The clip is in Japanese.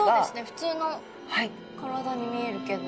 ふつうの体に見えるけど。